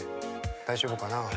大丈夫かな？